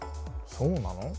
そうなの？